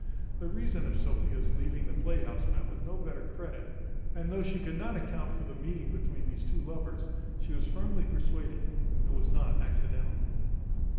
The reason of Sophia's leaving the playhouse met with no better credit; and though she could not account for the meeting between these two lovers, she was firmly persuaded it was not accidental.